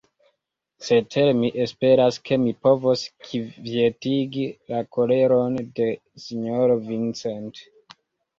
Cetere mi esperas, ke mi povos kvietigi la koleron de sinjoro Vincent.